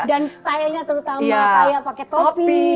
dan stylenya terutama kayak pake topi